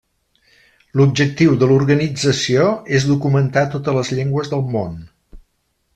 L'objectiu de l'organització és documentar totes les llengües del món.